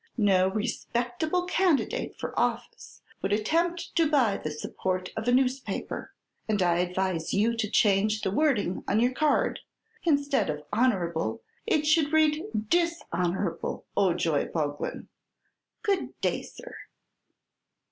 No respectable candidate for office would attempt to buy the support of a newspaper, and I advise you to change the wording on your card. Instead of 'Honorable' it should read 'Dishonorable' Ojoy Boglin. Good day, sir!"